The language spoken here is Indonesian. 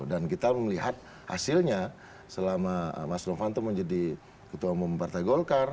dan kita melihat hasilnya selama mas nofanto menjadi ketua umum partai golkar